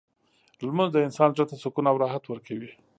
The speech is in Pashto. لمونځ د انسان زړه ته سکون او راحت ورکوي.